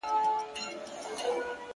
دغه علت دی چي سندرو مي